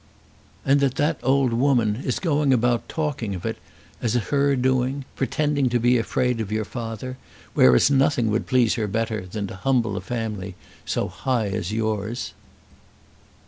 "And that that old woman is going about talking of it as her doing, pretending to be afraid of your father, whereas nothing would please her better than to humble a family so high as yours."